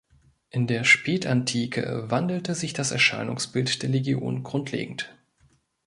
In der Spätantike wandelte sich das Erscheinungsbild der Legion grundlegend.